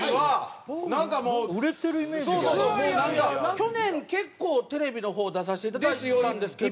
去年結構テレビの方出させていただいたんですけど。